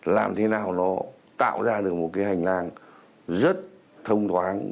làm thế nào nó tạo ra được một cái hành lang rất thông thoáng